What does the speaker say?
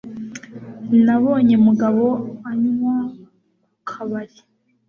Nabonye Mugabo anywa ku kabari.